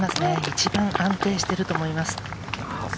一番安定していると思います。